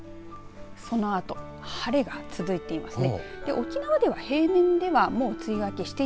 そのあと晴れが続いていますね。